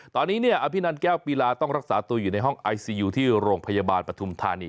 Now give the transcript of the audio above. ตอนนี้อภินันแก้วปีลาต้องรักษาตัวอยู่ในห้องไอซียูที่โรงพยาบาลปฐุมธานี